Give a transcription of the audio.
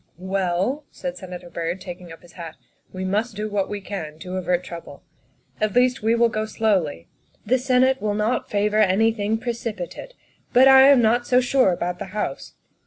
" Well," said Senator Byrd, taking up his hat, " we must do what we can to avert trouble. At least we will go slowly. The Senate will not favor anything precipi tate, but I am not so sure about the House.